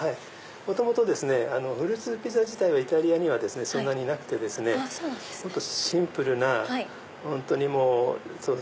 元々フルーツピザ自体はイタリアにはそんなになくてもっとシンプルな本当にもう。